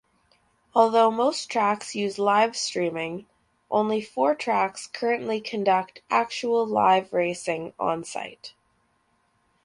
Although most tracks use Livestreaming only four tracks currently conduct actual live racing onsite.